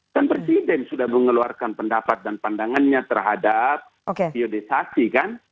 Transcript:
kan presiden sudah mengeluarkan pendapat dan pandangannya terhadap biodisasi kan